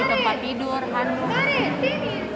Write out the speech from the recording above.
kutu di tempat tidur handuk